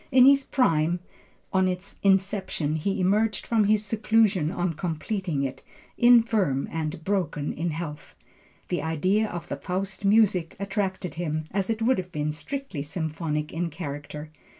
In his prime on its inception, he emerged from his seclusion on completing it, infirm and broken in health. The idea of the Faust music attracted him, as it would have been strictly symphonic in character.